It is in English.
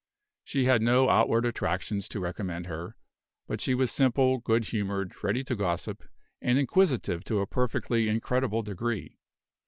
She had no outward attractions to recommend her; but she was simple, good humored, ready to gossip, and inquisitive to a perfectly incredible degree.